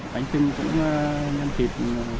bánh chưng cũng nhân thịt